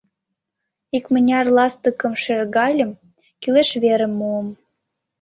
Икмыняр ластыкым шергальым, кӱлеш верым муым.